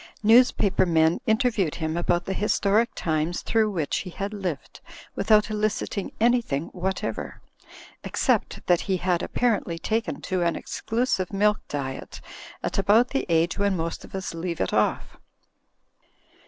Newspaper men interviewed him about the his toric times through which he had lived, without elicit ing anything whatever ; except that he had apparently taken to an exclusive milk diet at about the age when most of us leave it off.